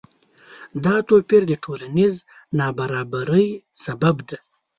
دا توپیر د ټولنیز نابرابری سبب دی.